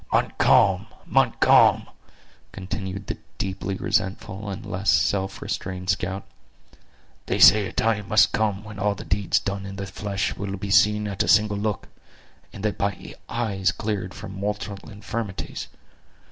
"Montcalm! Montcalm!" continued the deeply resentful and less self restrained scout; "they say a time must come when all the deeds done in the flesh will be seen at a single look; and that by eyes cleared from mortal infirmities.